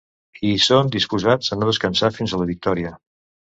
I hi són disposats a no descansar fins a la victòria.